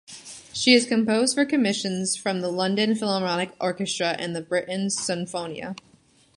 She has composed for commissions from the London Philharmonic Orchestra and the Britten Sinfonia.